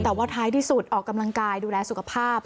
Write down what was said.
แต่ว่าท้ายที่สุดออกกำลังกายดูแลสุขภาพ